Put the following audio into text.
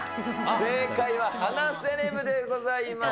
正解は鼻セレブでございます。